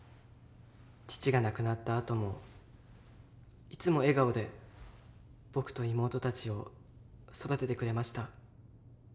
父が亡くなったあともいつも笑顔で僕と妹たちを育ててくれました。